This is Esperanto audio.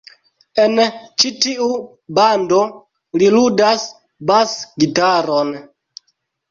En ĉi-tiu bando, li ludas bas-gitaron.